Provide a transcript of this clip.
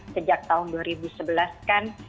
sejak tahun dua ribu sebelas kan